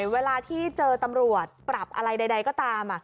เวลาที่เจอตำรวจปรับอะไรใดก็ตาม